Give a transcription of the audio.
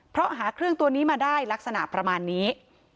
เพราะหาเครื่องตัวนี้มาได้ลักษณะประมาณนี้